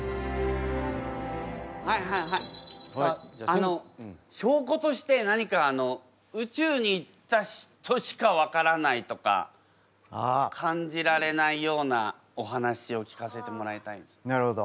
あのしょうことして何か宇宙に行った人しかわからないとか感じられないようなお話を聞かせてもらいたいです。